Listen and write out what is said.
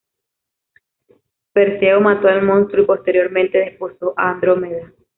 Perseo mató al monstruo y posteriormente desposó a Andrómeda.